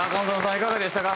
いかがでしたか？